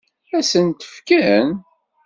Ad sen-t-fken?